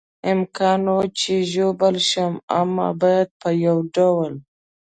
امکان و، چې ژوبل شم، ما باید په یو ډول.